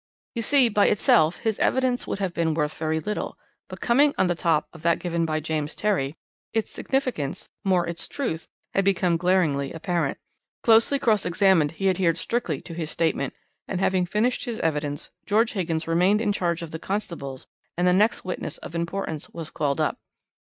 You see, by itself his evidence would have been worth very little, but coming on the top of that given by James Terry, its significance more, its truth had become glaringly apparent. Closely cross examined, he adhered strictly to his statement; and having finished his evidence, George Higgins remained in charge of the constables, and the next witness of importance was called up.